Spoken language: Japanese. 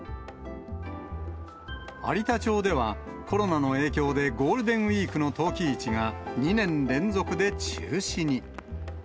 有田町では、コロナの影響で、ゴールデンウィークの陶器市が２年連続で中止に。